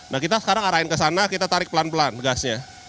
nah kita sekarang arahin ke sana kita tarik pelan pelan gasnya